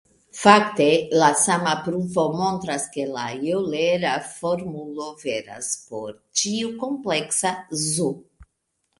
Fakte, la sama pruvo montras ke la eŭlera formulo veras por ĉiu kompleksa "z".